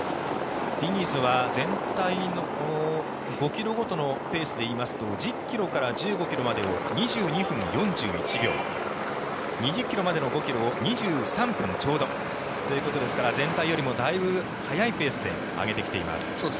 ディニズは全体の５ｋｍごとのペースでいいますと１０ｋｍから１５ｋｍまでを２１分４１秒２０ｋｍまでの５ｋｍを２３分ちょうどということですから全体よりもだいぶ速いペースで上げてきています。